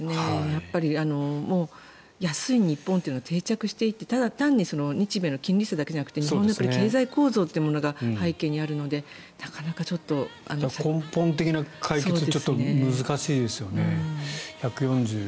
やっぱり安い日本というのは定着していってただ単に日米の金利差だけじゃなくて日本の経済構造というものが背景にあるので一歩歩けばひとつの出会いがある